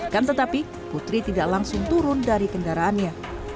kan tetapi putri tidak langsung turun dari kendaraannya